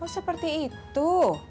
oh seperti itu